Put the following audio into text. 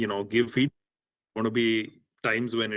yang bisa anda berikan